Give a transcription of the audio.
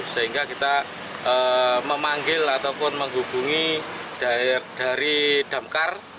sehingga kita memanggil ataupun menghubungi dari damkar